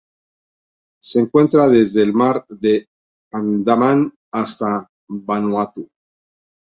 Se encuentra desde el Mar de Andaman hasta Vanuatu.